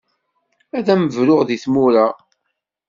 Ad am-bruɣ di tmura.